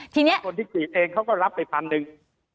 คนที่กลีดเองเขาก็รับไปพันธุ์หนึ่ง